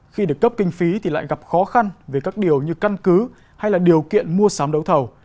khi được cấp kinh phí thì lại gặp khó khăn về các điều như căn cứ hay là điều kiện mua sắm đấu thầu